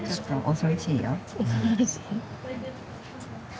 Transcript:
恐ろしい。